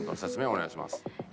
お願いします。